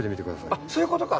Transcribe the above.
あっ、そういうことか。